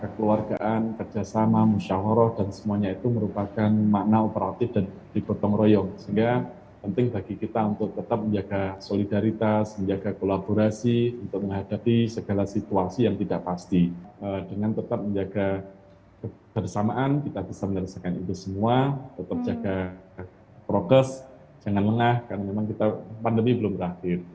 kita bisa mengerjakan itu semua tetap jaga progres jangan lengah karena memang pandemi belum berakhir